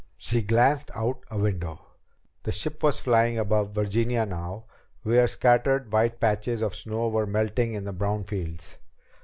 She glanced out a window. The ship was flying above Virginia now, where scattered white patches of snow were melting in the brown fields.